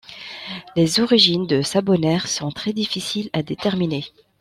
Les origines de Sabonnères sont très difficiles à déterminer.